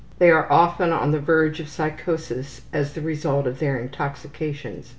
They are often on the verge of a psychosis as the result of their intoxications.